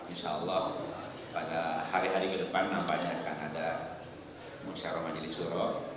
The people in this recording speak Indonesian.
insya allah pada hari hari ke depan nampaknya akan ada musyawarah majelis suro